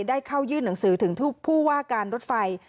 ได้เข้ายื่นหนังสือถึงผู้ว่าการรถไฟ